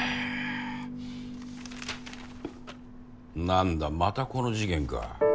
なんだまたこの事件か。